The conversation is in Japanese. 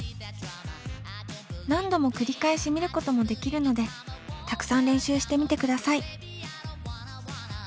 何度も繰り返し見ることもできるのでたくさん練習してみてください。